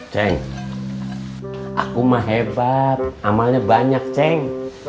ceng aku mah hebat amalnya banyak ceng